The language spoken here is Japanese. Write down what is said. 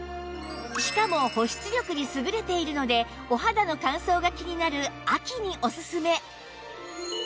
しかも保湿力に優れているのでお肌の乾燥が気になる秋におすすめ！